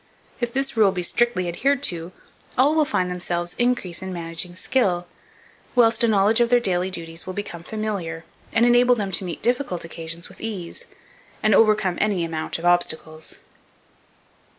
If this rule be strictly adhered to, all will find themselves increase in managing skill; whilst a knowledge of their daily duties will become familiar, and enable them to meet difficult occasions with ease, and overcome any amount of obstacles.